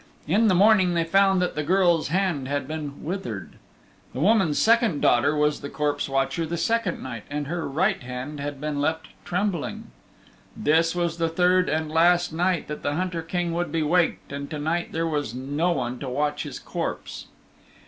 In the morning they found that the girl's hand had been withered. The woman's second daughter was the corpse watcher the second night and her right hand had been left trembling. This was the third and last night that the Hunter King would be waked, and to night there was no one to watch his corpse.